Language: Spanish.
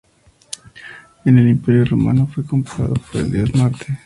En el Imperio Romano fue comparado con el dios Marte.